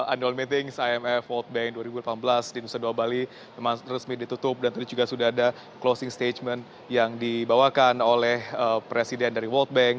annual meetings imf world bank dua ribu delapan belas di nusa dua bali memang resmi ditutup dan tadi juga sudah ada closing statement yang dibawakan oleh presiden dari world bank